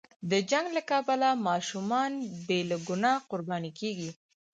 د جنګ له کبله ماشومان بې له ګناه قرباني کېږي.